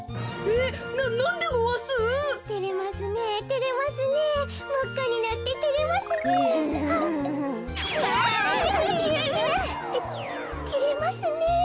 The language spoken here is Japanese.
ててれますねえ。